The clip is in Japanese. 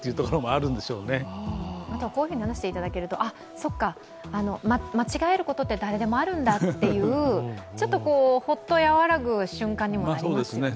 あとはこういうふうに話していただけると、間違えることは誰でもあるんだっていう、ちょっとホッと和らぐ瞬間にもなりますよね。